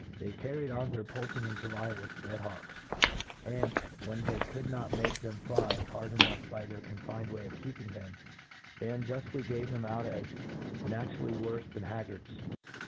They carried on their poulting in July with red hawks j and, when they could not make them fly hard e nough by their confined way of keeping them, they unjuftly gave them out as naturally worfc •' than « ifiS A TREATISE OP than haggards.